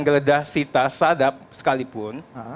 geledah sita sadap sekalipun